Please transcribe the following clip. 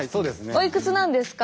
おいくつなんですか？